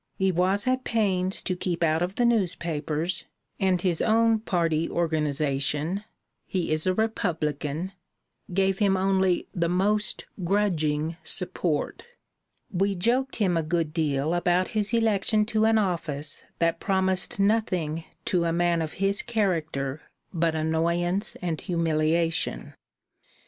He was at pains to keep out of the newspapers, and his own party organization (he is a Republican) gave him only the most grudging support. We joked him a good deal about his election to an office that promised nothing to a man of his character but annoyance and humiliation.